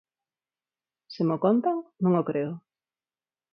Se mo contan, non o creo.